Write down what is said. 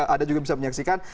ada juga bisa menyaksikan